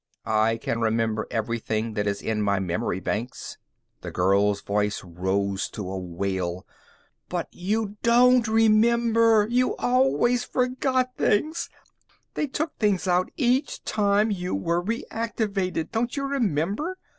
"I can remember everything that is in my memory banks." The girl's voice rose to a wail. "But you don't remember! You always forgot things! They took things out each time you were reactivated, don't you remember?"